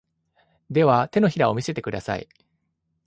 では、手のひらを見せてください。